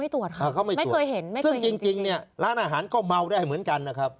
ตรวจค่ะไม่เคยเห็นไหมคะซึ่งจริงเนี่ยร้านอาหารก็เมาได้เหมือนกันนะครับ